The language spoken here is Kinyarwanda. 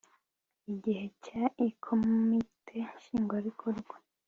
igice cya ii komite nshingwabikorwa